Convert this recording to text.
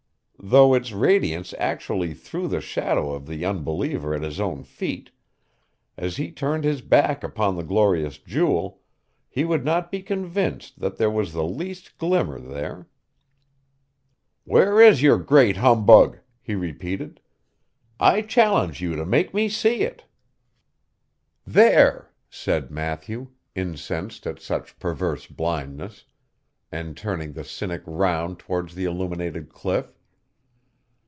Though its radiance actually threw the shadow of the unbeliever at his own feet, as he turned his back upon the glorious jewel, he would not be convinced that there was the least glimmer there. 'Where is your Great Humbug?' he repeated. 'I challenge you to make me see it!' 'There,' said Matthew, incensed at such perverse blindness, and turning the Cynic round towards the illuminated cliff.